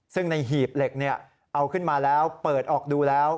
ซึ่งในหีบเหล็กเอาขึ้นมาแล้วเปิดออกดูแล้ว